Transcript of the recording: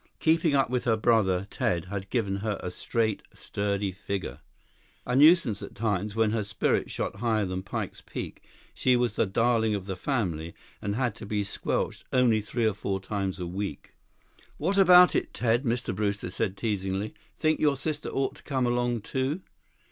Keeping up with her brother Ted had given her a straight, sturdy figure. A nuisance at times, when her spirits shot higher than Pike's Peak, she was the darling of the family, and had to be squelched only three or four times a week. 15 "What about it, Ted?" Mr. Brewster said teasingly. "Think your sister ought to come along, too?"